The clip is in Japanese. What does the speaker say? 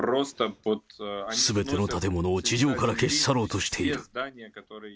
すべての建物を地上から消し去ろうとしている。